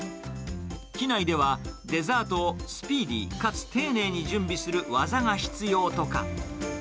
機内では、デザートをスピーディー、かつ丁寧に準備する技が必要とか。